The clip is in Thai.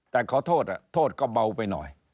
แต่ขอโทษโทษก็เบาไปหน่อย